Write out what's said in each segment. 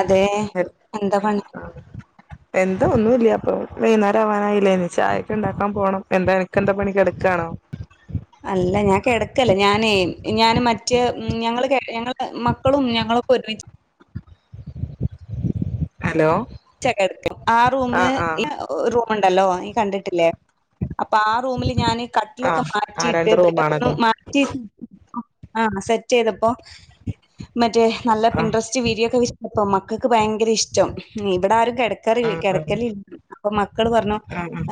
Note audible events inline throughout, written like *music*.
അതെ എന്താ പണി എന്താ ഒന്നുല്ല പ്പൊ വൈന്നാരാവാനായിലെ വേ ചായൊക്കെണ്ടാക്കാൻ പോണം എന്താ അനക്ക് എന്താ പണി കിടക്കാണോ അല്ല ഞാൻ കിടക്കല്ല ഞാനേ ഞാന് മറ്റ് ഞങ്ങള് കേ ഞങ്ങള് മക്കളും ഞങ്ങള് ഒരുമിച്ച് ഹലോ ച്ച കടക്ക ആറൂമിന് ആഹ് ആഹ് ഓ റൂമുണ്ടല്ലോ നീ കണ്ടിട്ടില്ലേ അപ്പൊ ആറൂമില് ഞാന് കട്ടിലൊക്കെ ആഹ് ആ മാറ്റിട്ട് രണ്ട് ബെഡൊക്കെ ഒന്ന് റൂമാണല്ലോ മാ റ്റി ആഹ് സെറ്റയ്തപ്പോ മറ്റേനല്ല ആഹ് ഇൻട്രസ്റ്റ് വിരിയൊക്കെ മക്കക്ക് ഭയങ്കര ഇഷ്ടം ഇവിട ആരും കെട കാറില്ല ആഹ് ആഹ് കെടക്കല് അപ്പൊ മക്കള് പറഞ്ഞു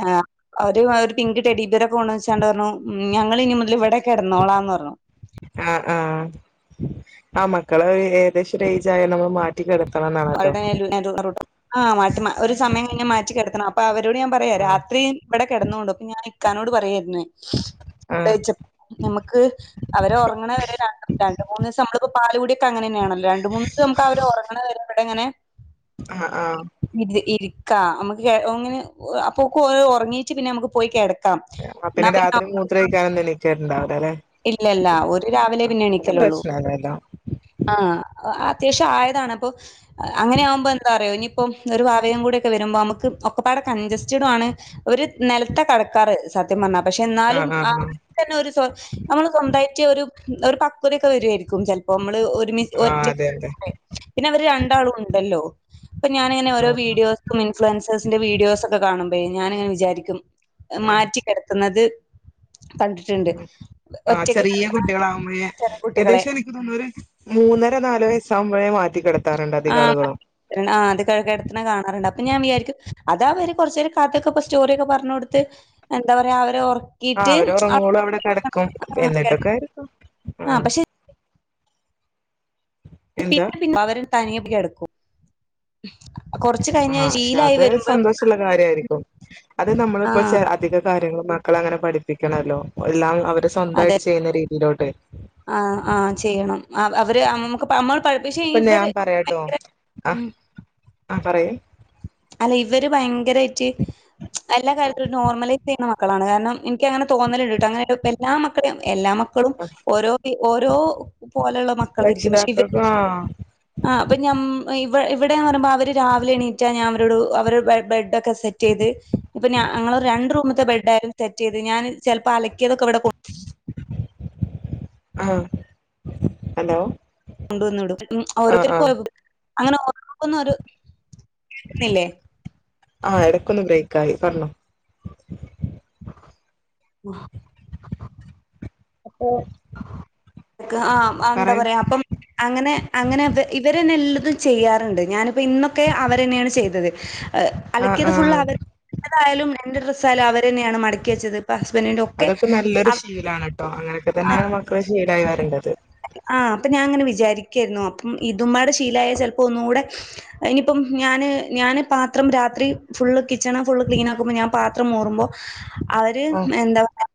ആഹ് അവര് ഒരു പിങ്ക് ടെഡീബീറോക്കെ കൊണ്ടെന്ന് വെച്ചാണ്ട് പറഞ്ഞു ഉം ഞങ്ങള് ഇനി മുതൽ ഇവിടെ കെടന്നോളാന്ന്പറഞ്ഞു ആഹ് ആഹ് ആമക്കള് ഏകദേശം ഒരു ഏജായല്ലോ അപ്പോ മാറ്റി കെട *unintelligible* ഒരു സമയം കഴിഞ്ഞാ മാറ്റി കെടത്തണം അപ്പൊ അവരോട് ഞാൻ പറ പേ ആഹ് രാത്രി ഇവിടെ കെടന്നോണ്ടു അപ്പൊ ഞാൻ ഇക്കാനോട് പറയേരുന്നേ ആഹ് തേച്ച് ഞമ്മക്ക് അവര് ഒറങ്ങ്ണ് വെരെ രണ്ട് രണ്ട് മൂന്നീസം അമ്മളിപ്പോ പാല് കുടിയൊക്കെ അങ്ങനെന്നെണല്ലോ രണ്ട് മൂന്നിസം നമ്മക്ക് അവര് ഒറ്ങ്ങ്ണെ വെരെ ഇവിടെങ്ങനെ ആഹ് ആഹ് ഇ ഇരിക്ക നമ്മക്ക് അങ്ങനെ അപ്പൊക്ക് ഓല് ഒർങ്ങീട്ട് പിന്നെ നമ്മക്ക് പോയി കെട് ആഹ് പിന്നെ രാത്രി മൂത്ര ഒഴിക്കാനോന്നും എണീക്കല് ഇണ്ടാവില്ല ല്ലെ ഇല്ല ഇല്ല ഓര് രാവിലെ പിന്നെ എണിക്കലോള്ളൂ പ്രശ്നല്ലല്ലോ ആഹ് അത്യാവശ്യം ആയതാണ് അപ്പൊ അങ്ങനെ ആകുമ്പോ എന്താ അറിയോ ഇനിപ്പം ഒരു വാവയും കൂടി ഒക്കെ വരുമ്പോ അമ്മക്ക് ഒക്ക പാടെ കഞ്ചസ്റ്റഡും ആണ് ഒരു നെലത്ത കടക്കാറ് സത്യം പർഞ്ഞാ പക്ഷെ എന്നാലും ആഹ് തന്നെ ഒരു നമ്മള് സ്വന്തയിട്ട് ഒരു ഒരു പക്കോതെക്കെ വെരു ആയിരിക്കും ചെൽപ്പം അമ്മള് ഒരുമി ആഹ് ഒറ്റ അതെ അതെ *unintelligible* പിന്നെ അവര് രണ്ടാളും ഇണ്ടല്ലോ അപ്പൊ ഞാനിങ്ങനെ ഓരോ ആഹ് വീഡിയോസ് ഇൻഫ്ലുവൻസേഴ്സിന്റെ വീഡിയോസ് ഒക്കെ കാണുമ്പഴേ ഞാനിങ്ങനെ വിചാരിക്കും ആഹ് മാറ്റിക്കിടത്ത്ന്നത് കണ്ടിട്ടുണ്ട് ആഹ് ഒറ്റയ്ക്ക് ചെറിയ കിടക്കണ കുട്ടികളാവുമ്പയേ ചെറിയ കുട്ടികളെ. ഏകദേശം ഒര് മൂന്നര നാല് വയസ്സാകുമ്പഴേ മാറ്റി കിടത്താറുണ്ട് അധികാളുകളും ആഹ് അത് കിടത്ത്ണത് കാണാറുണ്ട് അപ്പൊ ഞാൻ വിചാരിക്കും അതാ അവര് കോർച്ചെരം കഥയൊക്കെ ഇപ്പ സ്റ്റോറിക്കെ പറഞ് കൊടുത്ത് എന്താ പറയാ അവര് ഒർ ആഹ് അവര് ഒർങ്ങോളും അവിടെ കെടക്കും എന്നിട്ടൊക്കൊ കിടന്നു. ആയിരിക്കും ആ ആഹ് പക്ഷെ എന്താ *unintelligible* തനിയെ കെടക്കും കോർ ആഹ് പക്ഷെ അത് സന്തോഷള്ള കാര്യയിരിക്കും അത് ആ നമ്മളിപ്പോ അധിക കാര്യങ്ങളും ക്കളെ അങ്ങനെ പഠിപ്പിക്കണല്ലോ എല്ലാം അവര് സ്വന്തയിട്ട് ചെയ്യുന്ന രീതിയിലോട്ട് ആഹ് ആഹ് ചെയ്യണം അവര് അമ്മക്ക് നമ്മൾ പക്ഷെ ഇപ്പ ഞാൻ ഇവര് പറയാട്ടോ അഹ് ഉം ആഹ് പറയൂ അല്ല ഇവര് ഭയങ്കരയിട്ട് എല്ലാ കാര്യത്തിലും നോർമലൈസ് ചെയ്യുന്ന മക്കളാണ് കാരണം എനിക്കങ്ങനെ തോന്നലുണ്ട്ട്ടോ അങ്ങനെ എല്ലാ മക്കളെയും എല്ലാമും ക്കളും ഓരോ ഓരോ പോലെള്ള മക്കളായിരിക്കും പക്ഷെ രക്ഷിതാക്കൾക്ക് ഇവര് ആ ആഹ് അപ്പ ഞ ഇവ ഇവടെന്ന് പറിമ്പോ അവര് രാവിലെ എണീറ്റാ ഞാൻ അവരോട് അവരെ ബെഡ് ക്കെ സെറ്റയ്ത് ഇപ്പ ഞ ഞങ്ങളെ രണ്ട് റൂമ്ത്തെ ബെഡ്ഡയാലും തെറ്റ് യ്ത് ഞാന് ചെല്പം അലക്കിയതൊക്കെ ഇവടെ കോ ആഹ് ഹലോ കൊണ്ടുവന്ന്ടും ആ ആ ഓരോര്ത്തർക്കും ഓരോ അങ്ങനെ ഓരോ *unintelligible* കേക്കുന്നില്ലേ,? ആഹ് എടക്കൊന്ന് ബ്രേക്കായി പർണോ *unintelligible* അപ്പൊ ആഹ് എന്താ പറയൂ പറയാ അപ്പം അങ്ങനെ അങ്ങനെ അവ ഇവരെന്നെ എല്ലതും ചെയ്യാറ്ണ്ട് ഞാനിപ്പോ ഇന്നൊക്കെ അവരെന്നെണ് ചെയ്തത് ആ അലക്കിയത് ഫുള്ള് ആ അവര്തായാലും എന്റെ ഡ്രസ്സ ആയാലും അവരെന്നെണ് മടക്കി വെച്ചത് ഹസ്ബന്റ്ന്റോക്കെ അതൊക്കെ നല്ലൊരു അ ശീലാണ് ട്ടോ അങ്ങനെക്കെ തന്നെണ് മക്കള് ശീലായി വര്ണ്ടത് ആഹ് അപ്പ ഞാൻ ഇങ്ങനെ വിചാരിക്കായിരുന്നു അപ്പം ഇതുമ്മാടെ ശീലയ ചെൽപ്പോ ഒന്നുകൂടെ ഇനിപ്പം ഞാന് ഞാന് പാത്രം രാത്രി ഫുള്ള് കിച്ചണ് ഫുള്ള് ക്ലീനാക്കുമ്പോ ഞാന് പാത്രം മോറുമ്പോ അവര് ആഹ് എന്താ പറ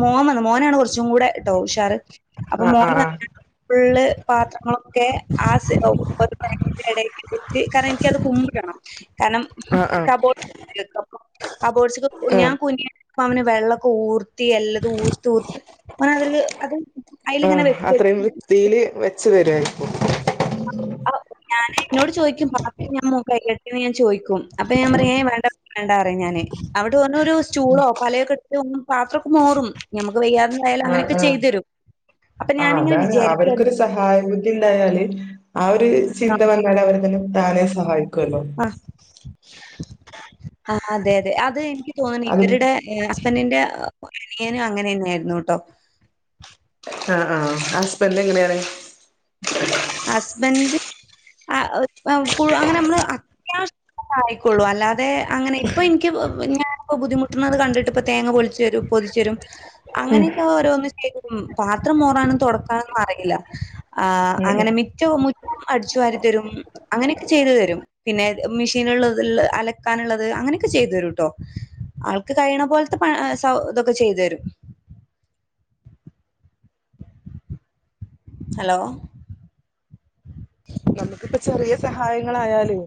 മോൻ വന്നു മോനാണ് കോർച്ചും കൂടെ ട്ടോ ഉഷാറ് അപ്പൊ ആഹ് ആഹ് മോന് ആഹ് ഫുള്ള് പാത്രങ്ങളൊക്കെ ആഹ് ഒരു റെക്കിന്റെ എടെക്ക് ഇട്ട് കാരണം എനിക്കത് കുമ്പ് ഇടണം കാരണം ആഹ് ആഹ് കബോർഡ *unintelligible* കബോർഡ്സ് ഞാൻ ആഹ് കുനിയണം പ്പൊ അവന് വെള്ളക്കെ ഊർത്തി എല്ലതും ഊത്ത് ഊത്ത് ഓന് അതൊര് അത് അയ്ല്ങ്ങനെ വെക്ക് തീല് വെച്ച് തെരു ആയിരിക്കും ഞാന് ഇന്നോട് ചോയ്ക്കും *unintelligible* അപ്പ ഞാൻ പറയും വേണ്ട വേണ്ട പറയും ഞാന് അവിടെ ഓന് ഒരു സ്റ്റുളോ പലയൊക്കെ *unintelligible* പാത്രക്കെ മോറും നമുക്ക് വെയ്യാതെ ന്തായാലും ആഹ് അങ്ങനെക്കെ ആഹ് ചെയ്ത് തേരും അപ്പൊ ആഹ് ഞാനിങ്ങനെ അതാണ് വിചാരിക്കും അവർക്കൊരു സഹായ ബുദ്ധി ഇണ്ടായാല് ആ ഒരു ചിന്ത വന്നാൽ അവര് താന്നെ താനെ സഹായിക്കുവല്ലോ ആഹ് ആഹ് അതെ അതെ അത് എനിക്ക് തോന്നണു അത് ഇവരുടെ ഏഹ് ഹസ്ബൻഡിന്റെ അനിയന് അങ്ങനെ തന്നെയായിരുന്നുട്ടോ ആഹ് ആഹ് ഹസ്ബൻ്റ് എങ്ങനെയാണ്? ഹസ്ബൻഡ് ആഹ് *unintelligible* അങ്ങനെ നമ്മള് അത്യാവശ്യ ആയിക്കൊള്ളൂ അല്ലാതെ അങ്ങനെ ഇപ്പൊ ഇനിക്ക് ഞാനിപ്പോ ബുദ്ധിമുട്ടുന്നത് കണ്ടിട്ട് ഇപ്പ തേങ്ങ പൊളിച്ചു തരും പൊത് ച്ചെരും അങ്ങനെയൊക്കെ ഓരോന്നും ചെയ്യും പാത്രം മോറാനും തൊടക്കാനൊന്നും അറിയില്ല ആഹ് ഉം ഉം അങ്ങനെ മിറ്റവും മുറ്റ് അടിച്ചു വാരി തരും അങ്ങനെയൊക്കെ ചെയ്തു തരും പിന്നെ മിഷീന്ള്ളത് *unintelligible* ഇള്ളത് അലക്കാനുള്ളത് അങ്ങനെയൊക്കെ ചെയ്തു തരൂട്ടോ ആൾക്ക് കഴിയണ പോലത്തെ പ സൗ ഇതൊക്കെ ചെയ്തു തരും. ഹലോ നമ്മക്കിപ്പ ചെറിയ സഹായങ്ങളായാലെ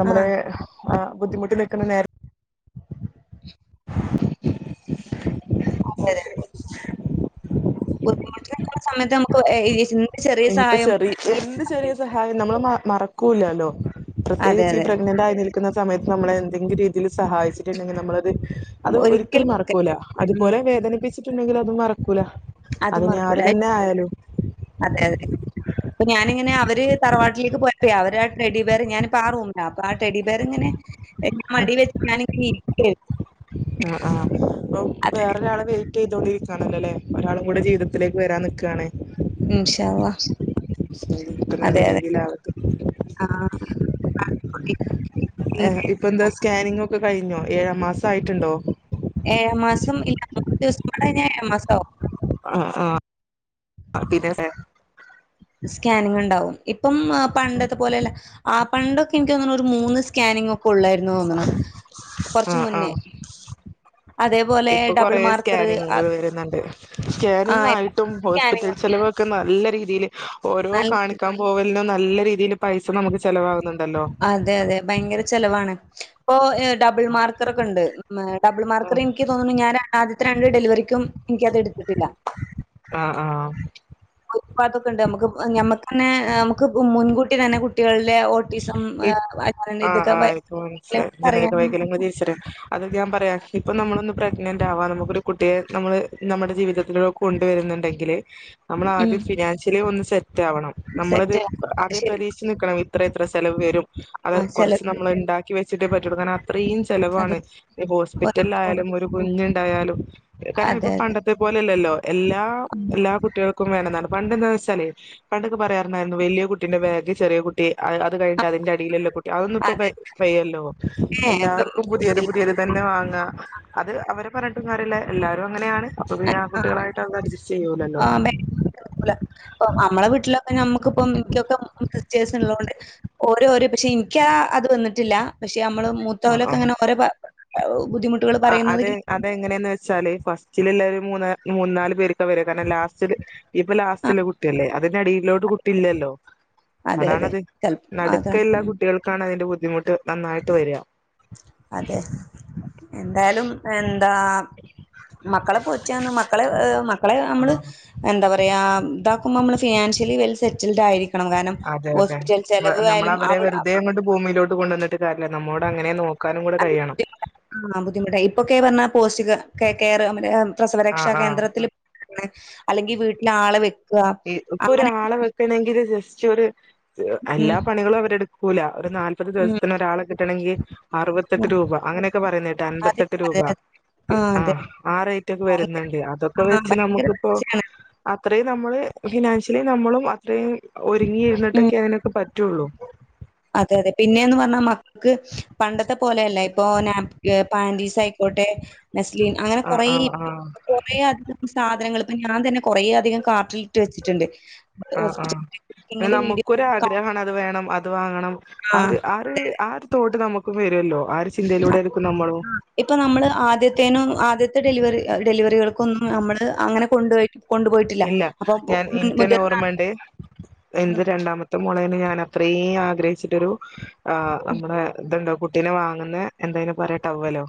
നമ്മള് ആഹ് ആഹ് ബുദ്ധിമുട്ടിനിക്കുന്ന നേര അതെ അതെ ബുദ്ധിമുട്ടി നിക്കണ സമയത്ത് നമ്മക്ക് എ ഏ ഈ ചി എനിയിപ്പ ചെറി എന്ത് ചെറിയ സഹായം നമ്മള് മ മറക്കൂല്ലല്ലോ? അതെ പ്രത്യേകിച്ച് അതെ ഈ പ്രെഗ്നന്റ് ആയി നിൽക്കുന്ന സമയത്ത് നമ്മളെ എന്തെങ്കിലും രീതില് സഹായിച്ചിട്ടുണ്ടെങ്കിൽ നമ്മളത് അത് ഒരിക്കലും മറക്കൂല ഉം. അതുപോലെ വേദനിപ്പിച്ചിട്ടുണ്ടെങ്കിൽ അതും മറക്കൂല അത് അതിനി ആര് മറക്കൂല എപ് തന്നെ ആയാലും അതെഅതെ അപ്പൊ ഞാനിങ്ങനെ അവര് തറവാട്ടിലേക്ക് പോയപ്പോ അവരെ ആ ടെഡി ബിയറ് ഞാനിപ്പ ആ റൂ അപ്പൊ ആഹ് ടെഡി ബിയറിങ്ങനെ എൻ്റെ മടി വെച്ച് ഞാൻ ഇങ്ങനെ ഇരിക്കായ്രുന്നു ആഹ് ആഹ് *unintelligible* അതെ. വേറെരാളെ വെ യിറ്റ് ചെയ്തോണ്ടിരിക്കുവാണല്ലോ ല്ലേ ഒരാളും കൂടെ ജീവിതത്തിലേക്ക് വരാൻ നിക്കാണ് ഇൻഷാഅള്ളാ ഇൻഷാഅള്ളാ ഒക്കെ നല്ല രീതിയില് ആകട്ടെ ആ. *unintelligible* ഇപ്പൊ എന്താ സ്കാനിങ്ങ് ഒക്കെ കഴിഞ്ഞോ ഏഴാം മാസം ആയിറ്റ്ണ്ടോ? ഏഴാം മാസം ഇല്ല മൂന്ന് ദിവസം കൂടെ കഴിഞ്ഞാ ഏഴാം മാസം ആവും ആഹ് ആഹ് പിന്നെ *unintelligible* സ്കാനിങ് ഇണ്ടാവും ഇപ്പം പണ്ടത്തെ പോലെയല്ല ആഹ് പണ്ടൊക്കെ ഇനിക്ക് തോന്ന് ഒരു മൂന്ന് സ്കാനിങ് ഒക്കെ ഉള്ളായിരുന്നു തോന്ന് ആഹ് ആഹ് അതേപോലെ ഇപ്പൊ ഡബിൾ കൊറെ മാർക്കറ് ആ സ്കാനിങ്ങുകൾ വരുന്നുണ്ട് ആ സ്കാനിങ് ഇപ്പം ആയിട്ടും ഹോസ്പിറ്റൽ സ്കാനിങ് ചെലവ് ക്ക് നല്ല രീതീല് ഓരോ നല്ല കാണിക്കാൻ പോവലിനും നല്ല രീതീല് പൈസ നമ്മക്ക് ചെലവാവ്ന്നുണ്ട് *unintelligible* അതെ അതെ ഭയങ്കര ചെലവാണ് ഇപ്പൊ ഡബിൾ മാർക്കറൊക്കെ ഉണ്ട് മെ ഡബിൾ മാർക്കർ എനിക്ക് തോന്നുണു ഞാൻ ആദ്യത്തെ രണ്ട് ഡെലിവറിക്കും എനിക്കത് എടുത്തിട്ടില്ല ആഹ് ആഹ് *unintelligible* ഇണ്ട് നമ്മക്ക് ഞമ്മക്കെന്നെ നമ്മക്ക് മുൻകൂട്ടി തന്നെ കുട്ടികളുടെ ഓട് ഇപ് ആഹ് ആഹ് ഇപ്പ മനസ്സിലായി ഞനിതക പറയാനും വൈകലങ്ങൾ തിരിച്ചറി അതൊക്കെ ഞാൻ പറയാം ഇപ്പൊ നമ്മളൊന്ന് പ്രഗ്നന്റ് ആവാ നമുക്കൊരു കുട്ടിയെ നമ്മള് നമ്മടെ ജീവിതത്തില് കൊണ്ടുവരുന്നുണ്ടെങ്കില് നമ്മള് ഉം ആദ്യം ഫിനാൻഷ്യലി ഒന്ന് സെറ്റ് ആവണം നമ്മളത് സെറ്റ് അത് അദ്യേ ശരി. പ്രതീ ച്ച് നിക്കണം ഇത്ര ഇത്ര ചെലവ് വരും അത് ആഹ് കൊറച്ച് ചെലർക്ക് നമ്മള് ഇണ്ടാക്കി വെച്ചിട്ടെ പറ്റോള്ളു കാരണം ആ ആത്രയും ചെലവാണ് അതെ. ഇനി ഓരോ ഹോസ്പിറ്റൽ ആയാലും ഒരു കുഞ്ഞുണ്ടായാലും കാരണം അതെ, ഇപ്പൊ അതെ. പണ്ടത് ത്തെപോലെയല്ലല്ലോ എല്ലാം ഉം. എല്ലാ കുട്ടികൾക്ക് ക്കും വേണന്നാണ് പണ്ട് എന്താന്ന് വെച്ചാല് പണ്ടൊക്കെ പറയാറുണ്ടായിരുന്നു വലിയ കുട്ടിന്റെ ബാഗ് ചെറിയ കുട്ടി കുട്ടി അ അത് കഴിഞ്ഞിട്ട് അതിന്റെ അടിയില്ള്ള കുട്ടി അതൊന്നും ഇപ്പ വയ്യല്ലോ അതന്നെ ഇപ്പം എല്ലാർക്കും പുതിയത് ഇല്ല. പുതിയത് തന്നെ വാങ്ങാ അത് അവരെ പറഞ്ഞിട്ടും കാര്യല്ല എല്ലാവരും അങ്ങനെയാണ് അപ്പൊ പിന്നെ ആ കുട്ടികളായിട്ട് അത് അഡ്ജസ്റ്റ് ചെയ്യൂലല്ലോ? പ്പൊ അമ്മളെ വീട്ട്ലൊക്കെ നമ്മുക്കിപ്പം എനിക്കൊക്കെ സിസ്റ്റേഴ്സ് ഉള്ളോണ്ട് ഓര് വരും പക്ഷെ ഇൻക്യാ അത് വന്നിട്ടില്ല പക്ഷെ നമ്മള് മൂ ത്തോലൊക്കങ്ങനെ ഓരെ ബ ബുദ്ധിമു ആ അത് അതെങ്ങനെന്ന് വെച്ചാല് ഫസ്റ്റിലിള്ളര് മൂന്ന മൂന്നാല് പേര് ക്കെവരും കാര്ണം ലാസ്റ്റില് ഇപ്പൊ ലാസ്റ്റില് ആഹ് കുട്ട്യല്ലേ അതിന്റെ അടിയിലോട്ട് കുട്ടി ഇല്യല്ലോ അതെ അതെ അതാണത് ചെൽ അതാണ് നടുക്കയിള്ള ഉം കുട്ടികൾക്കാണ് അതിന്റെ ബുദ്ധിമുട്ട് നന്നായിട്ട് വര അതെ എന്തായാലും എന്താ മക്കളെ പോറ്റാന്ന് മക്കളെ മക്കളെ നമ്മള് ആഹ് എന്താ പറയാ താക്കുമ്പോ മ്മള് ഫിനാൻഷ്യലി വെൽ സെറ്റിൽഡ് ആയിരിക്കും അതെ അതെ നമ്മളവരെ അവി വെറുതെ അങ്ങോട്ട് ഭൂമിയിലോട്ട് കൊണ്ടുവന്നി ട്ട് കാര്യല്ല നമ്മോടങ്ങനെ നോക്കാനും കൂടെ അത് കഴിയണം ബുദ്ധിമുട്ടാ. ആ ബുദ്ധിമുട്ടായി ഇപ്പൊക്കെ പർഞ്ഞാ പോസ്റ്റിക കെ കെയർ ആഹ് പ്രസവരക്ഷാ ആഹ് കേന്ദ്രത്തില് *unintelligible* അല്ലെങ്കി വീട്ട്ലാളെ വെ ഇപ്പൊരാളെ വെക്കണെങ്കില് ജസ്‌റ്റൊരു ഉം എല്ലാ പണികളും അവരെടുക്കൂല ഒരു നാല്പത് ഉം ദിവസത്തിനൊരാളെ കിട്ടണെങ്കി അറുവത്തെട്ട് ഉം രൂപ അങ്ങനെയൊക്കെ പറയുന്നകേട്ട് അതെ അൻപത്തെട്ട് രൂപ അതെ അതെ. ആ ആറൈറ്റൊക്കെ ഭയങ്കര വെരുന്നുണ്ട് അതൊക്കെ ആ വെച്ച് ഭയങ്കര നമുക്കിപ്പോ പൈസയാണ്. അത്രയും നമ്മള് ഫിനാൻഷ്യലി നമ്മളും അത്രയും ഉം ഒരുങ്ങിയിരുന്നിട്ടൊക്കെ അതിനൊക്കെ പറ്റുള്ളൂ അതെ അതെ പിന്നെന്ന് പർഞ്ഞാ മ ക്ക് പണ്ടത്തെ പോലെയല്ല ഇപ്പൊ നാപ് പാന്റീസായ്ക്കോട്ടെ നെസ്ലീൻ അങ്ങനെ ആഹ് കൊറേ ആഹ് ആഹ് കൊറേ അധികം സാധനങ്ങൾ ഇപ്പ ഞാൻ തന്നെ കൊറേ അധികം കാർട്ടിലിട്ട് വെച്ചിട്ട്ണ്ട് ആ ആ നമുക്കൊരു ആ ഗ്രഹാണത് വേണം അത് വാങ്ങണം ആ ആഒര് ആര് ആഒര് തോട് നമുക്ക് വെരുവല്ലോ ആര് ചിന്തയിലൂടെര്ക്കും നമ്മളും ഇപ്പൊ നമ്മള് ആദ്യത്തേനും ആദ്യത്തെ ഡെലിവറി ഡെലിവറികൾക്കൊന്നും നമ്മള് അങ്ങനെ കൊണ്ടു പോയിട്ട് ഇല്ല ഞാൻ ഇൻക്കന്നെ ഓർമ്മണ്ട് എന്ത് രണ്ടാമത്തെ മോളേണ് ഞാനത്രയൂംആഗ്രഹിച്ചിട്ടൊരു ആ നമ്മളെ ഇതെന്താ കുട്ട് ട്ടിനെ വാങ്ങുന്ന എന്തായ്ന് പറ്‌യ ട്ടവ്വലോ?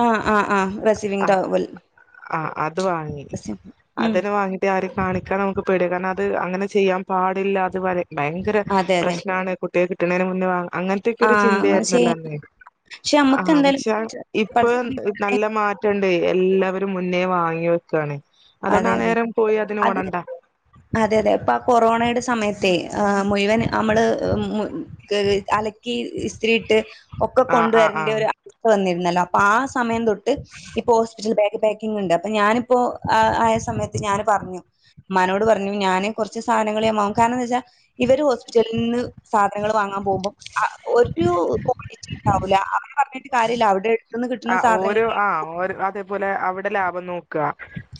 ആ ആ ആ റെസീവിംഗ് ട്ടവ്വൽ ആഹ് റെസീ ഉം യെ ആരും കാണിക്കാ നമുക്ക് പെടിയ കാരണം അത് അങ്ങനെ ചെയ്യാൻ പാടില്ല അത് ബര ഭയങ്കര അതെ അതെ പ്രശ്നാണ് കുട്ടിയെ കിട്ടണേന് മുന്നെ വാങ്ങ അങ്ങെൻ ൻത്തെക്കൊരു ആഹ് അങ്ങനെ ചിന്തയായിരുന്നല്ലോ ചെയ്യാം അന്ന് പക്ഷെ ആ നമ്മക്ക് എന്തായാലും പക്ഷെ ഇപ്പൊ പടച്ചോൻ ന്ത് നല്ല മാറ്റണ്ടെ എല്ലാവരും മുന്നേ വാങ്ങി വെക്കാണ് അതെ അതെ അതുകൊണ്ടാനേരം പോയ് അതിന് അത് ഓടണ്ട അതെ അതെ ഇപ്പ ആ കൊറോണയുടെ സമയത്തെയ് ആ മുഴുവൻ അമ്മള് മു മക്ക് അലക്കി ഇസ്തിരിയിട്ട് ഒക്കെ ആഹ് ആഹ് ആഹ് കൊണ്ടുവരെണ്ട്യൊരു അവസ്ത്ത വന്നിരുന്നല്ലോ അപ്പൊ ആ സമയം തൊട്ട് ഇപ്പൊ ഹോസ്പിറ്റൽ ബാഗ് പാക്കിങ്ണ്ട് അപ്പൊ ഞാനിപ്പോ ആ ആയ സമയത്ത് ഞാന് പർഞ്ഞു ഉമ്മാനോട് പർഞ്ഞു ഞാന് കൊർച്ച് സാനങ്ങൾ ഞാൻ വാങ്ങും കാരണം എന്താച്ചാ ഇവര് ഹോസ്പിറ്റലിൽന്ന് സാധനങ്ങൾ വാങ്ങാം പോകുമ്പോ ആ ഒരു ക്വാണ്ടിറ്റിണ്ടാവൂല അവരെ പർഞ്ഞിട്ട് കാര്യല്ല അവ്ടെ ആ ഓരോ ആ ഓര് അതെ അത് പോലെ അവ്ടെ ലാഭം നോക്ക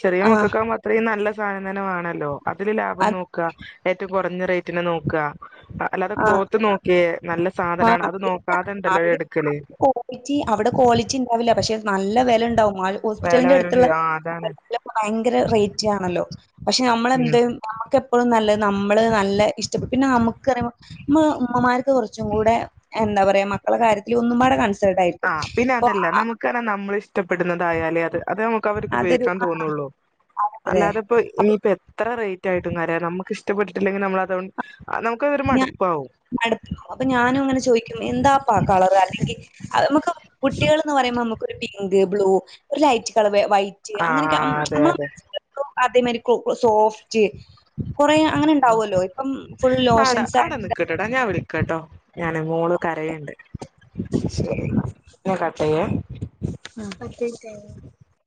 ചെറിയ ആഹ് മക്കക്കാവുമ്പോ അത്രയും നല്ല സാധനം വാണല്ലോ അതില് ലാഭം അത് നോക്ക ഏറ്റവും കൊറഞ്ഞ റേറ്റിന് നോക്ക അല്ലാതെ ആ ക്ലോത്ത് നോക് ക്കെ നല്ല സാധനാണ് ആഹ് അത് നോക്കാതെണ്ടല്ലോരെടുക്കല് ളിറ്റി അവിടെ ക്വാളിറ്റി ണ്ടാവില്ല പക്ഷെ നല്ല വെലണ്ടാവും മാൾ വില വരും ഹോസ്പിറ്റൽന്റെട്ത്ത്ള്ളെ ആഹ് അതാണ് ഭയങ്കര റേറ്റ് ആണല്ലോ പക്ഷെ ഉം നമ്മളെന്തും നമുക്കെപ്പഴും നല്ലത് നമ്മള് നല്ല ഇഷ്ട്ടപ്പെ പിന്നെ നമുക്ക്റിയുമ്പോ ഉമ്മ് ഉമ്മമാർക്ക് കൂടെ എന്താപറ്യ മക്കള കാര്യത്തിൽ ഒന്നും പാടെ കൺസേൾട്ടായ്രിക്കും അപ്പൊ ആ കാരണം നമ്മളിഷ്ടപ്പെടുന്നതായാലേ അത് അതെ നമുക്ക് അവര്ക്ക് അതൊരു ഉപയോഗിക്കാൻ തോന്നുള്ളൂ അതെ അല്ലാതെപ്പോ അപ്പൊ ഇനിയിപ്പോ എത്ര റേറ്റ് ആയിട്ടും കാര്യല്ല നമു നമുക്കിഷ്ടപ്പെട്ടിട്ടില്ലെങ്കി നമ്മളതോ നമുക്കൊരു മടുപ്പാവും. അടുത്തും അപ്പൊ ഞാനും ഇങ്ങനെ ചോദിക്കും എന്താ കളർ അല്ലെങ്കിൽ അ നമുക്ക് കുട്ടികൾ എന്ന് പറയുമ്പോ നമുക്ക്ൊ ഒരു പിങ്ക് ബ്ലൂ ഒരു ലൈറ്റ് കളർ വൈറ്റ് ചെയ ആഹ് അതെ അങ്ങനൊക്കെമ്മ അതെ അതേമാതിരി സോഫ്റ്റ് കൊറ അങ്ങനെ ഉണ്ടാവല്ലോ ഇപ്പം ഫുൾ ലോ അവിട നിിക്കട്ടടാ ഞാൻ വിളിക്കട്ടോ ഞൻ മോളും കരയുണ്ട് ശരി ഇ ആ കട്ട